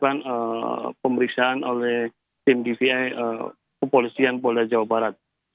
dan itu adalah pemeriksaan oleh tim dpi kepolisian polda jawa barat